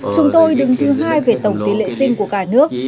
chúng tôi đứng thứ hai về tổng tỷ lệ sim của cả nước